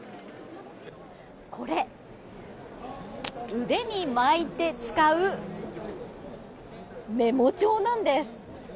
これ、腕に巻いて使うメモ帳なんです。